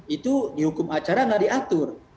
itu dihukum acara nggak diatur